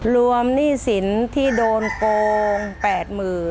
หนี้สินที่โดนโกง๘๐๐๐บาท